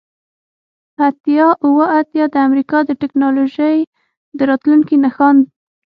اتیا اوه اتیا د امریکا د ټیکنالوژۍ د راتلونکي نښان